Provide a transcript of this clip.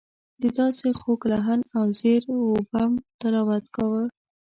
ده داسې خوږ لحن او زیر و بم تلاوت کاوه.